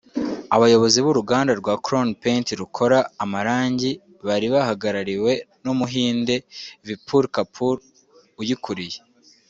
Abayobozi b’uruganda rwa Crown Paint rukora amarangi bari bahagarariwe n’Umuhinde Vipul Kapul uyikuriye